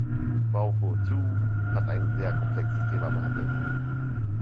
Frau Fourtou hat ein sehr komplexes Thema behandelt.